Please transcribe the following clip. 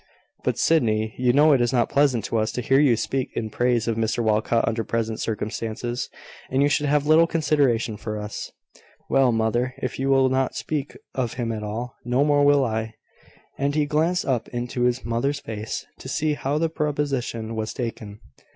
"But, Sydney, you know it is not pleasant to us to hear you speak in praise of Mr Walcot under present circumstances; and you should have a little consideration for us." "Well, mother, if you will not speak of him at all, no more will I." And he glanced up into his mother's face, to see how the proposition was taken.